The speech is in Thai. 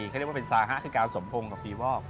เขาเรียกว่าเป็นซาหะคือการสมพงษ์กับปีวอก